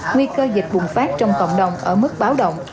nguy cơ dịch bùng phát trong cộng đồng ở mức báo động